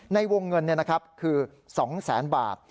ในวงเงินคือ๒๐๐๐๐๐บาท